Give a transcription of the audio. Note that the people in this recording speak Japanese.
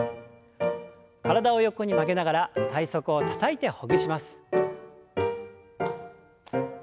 体を横に曲げながら体側をたたいてほぐします。